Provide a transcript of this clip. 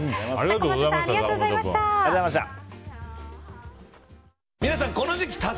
坂本さんありがとうございました。